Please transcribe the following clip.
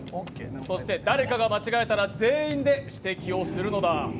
そして誰かが間違えたら全員で指摘をするのだ。